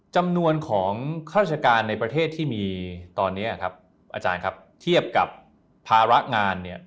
จำนวนของข้าราชการในประเทศที่มีตอนนี้ครับอาจารย์ครับเทียบกับภาระงานเนี่ย